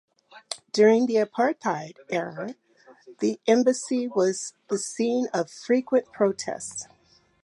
During the apartheid era the Embassy was the scene of frequent protests.